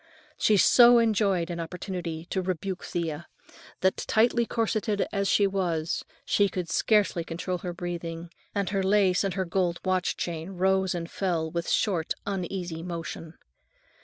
She so enjoyed an opportunity to rebuke Thea, that, tightly corseted as she was, she could scarcely control her breathing, and her lace and her gold watch chain rose and fell "with short, uneasy motion."